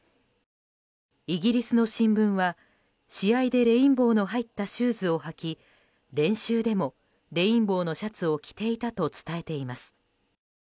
イギリスの新聞は試合でレインボーの入ったシューズを履き練習でもレインボーのシャツを着ていたと伝えています。